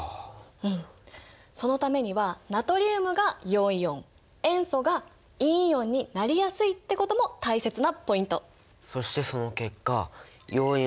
うんそのためにはナトリウムが陽イオン塩素が陰イオンになりやすいってことも大切なポイント。